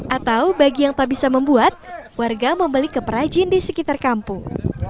atau bagi yang tak bisa membuat warga membeli ke perajin di sekitar kampung